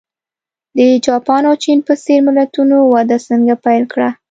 د جاپان او چین په څېر ملتونو وده څنګه پیل کړه.